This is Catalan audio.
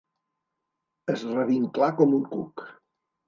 Es revinclà com un cuc.